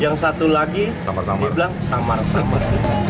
yang satu lagi bilang samar samar